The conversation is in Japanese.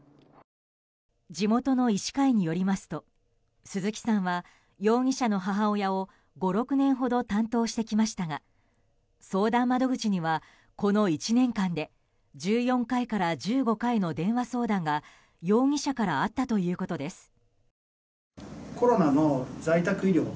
地元の医師会によりますと鈴木さんは容疑者の母親を５６年ほど担当してきましたが相談窓口には、この１年間で１４回から１５回の電話相談が容疑者からあったということです。